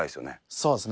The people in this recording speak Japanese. そうですね。